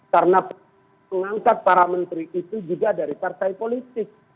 karena pengangkat para menteri itu juga dari partai politik